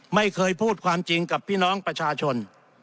ไม่เคยพูดความจริงกับพี่น้องประชาชน